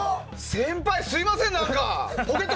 先輩、すみません何か。